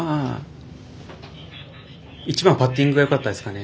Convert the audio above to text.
一番、パッティングがよかったですかね。